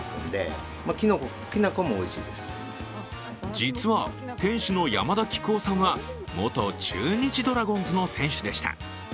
実は、店主の山田喜久夫さんは元中日ドラゴンズの選手でした。